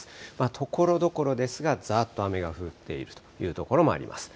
ところどころですが、ざーっと雨が降っているという所もあります。